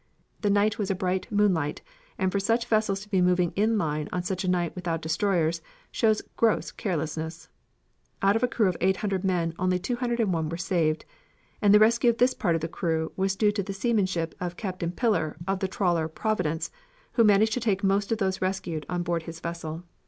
The night was a bright moonlight and for such vessels to be moving in line on such a night without destroyers shows gross carelessness. Out of a crew of 800 men only 201 were saved, and the rescue of this part of the crew was due to the seamanship of Captain Pillar of the trawler Providence, who managed to take most of those rescued on board his vessel.